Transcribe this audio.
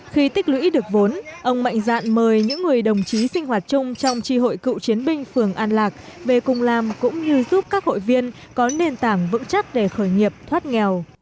khi tích lũy được vốn ông mạnh dạn mời những người đồng chí sinh hoạt chung trong tri hội cựu chiến binh phường an lạc về cùng làm cũng như giúp các hội viên có nền tảng vững chắc để khởi nghiệp thoát nghèo